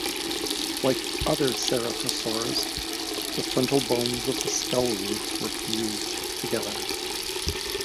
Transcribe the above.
Like other ceratosaurs, the frontal bones of the skull roof were fused together.